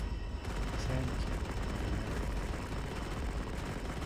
Sankey never married.